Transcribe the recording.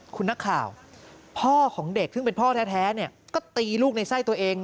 คุณนักข่าวพ่อของเด็กซึ่งเป็นพ่อแท้ก็ตีลูกในไส้ตัวเอง